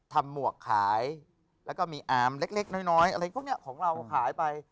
หมวกขายแล้วก็มีอาร์มเล็กน้อยอะไรพวกนี้ของเราขายไป